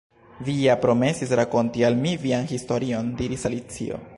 "Vi ja promesis rakonti al mi vian historion," diris Alicio.